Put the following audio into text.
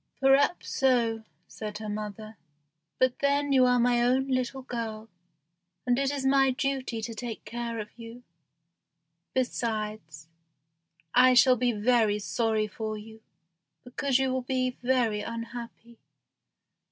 "Perhaps so," said her mother; "but then you are my own little girl, and it is my duty to take care of you. Besides, I shall be very sorry for you, because you will be very unhappy.